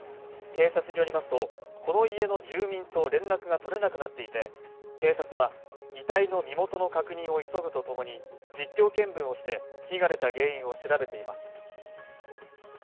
警察によりますと、この家の住民と連絡が取れなくなっていて、警察は遺体の身元の確認を急ぐとともに実況見分をして、火が出た原因を調べています。